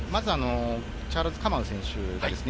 チャールズ・カマウ選手ですね。